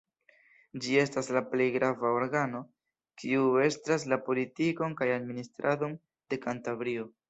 Ĝi estas la plej grava organo, kiu estras la politikon kaj administradon de Kantabrio.